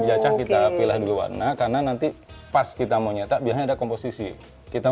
dicacah kita pilih dulu warna karena nanti pas kita mau nyetak biar ada komposisi kita